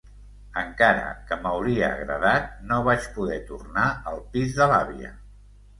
Encara que m'hauria agradat, no vaig poder tornar al pis de l'àvia.